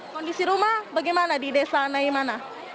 kondisi rumah bagaimana di desa naimana